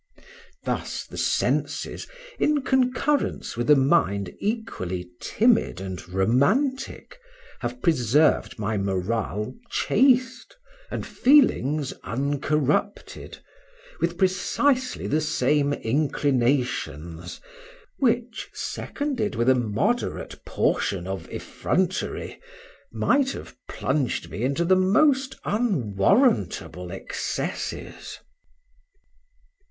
Thus the senses, in concurrence with a mind equally timid and romantic, have preserved my moral chaste, and feelings uncorrupted, with precisely the same inclinations, which, seconded with a moderate portion of effrontery, might have plunged me into the most unwarrantable excesses.